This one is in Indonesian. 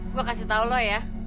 gue kasih tau lo ya